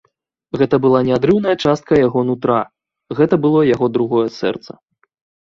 Гэта была неадрыўная частка яго нутра, гэта было яго другое сэрца.